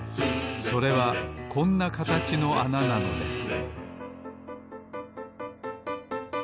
それはこんなかたちのあななのです